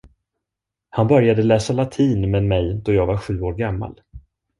Han började läsa latin med mig då jag var sju år gammal.